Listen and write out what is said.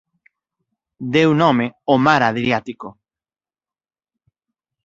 Deu nome ao Mar Adriático.